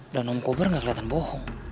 dan om kober gak kelihatan bohong